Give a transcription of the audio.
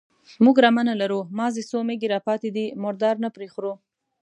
_موږ رمه نه لرو، مازې څو مېږې راپاتې دي، مردار نه پرې خورو.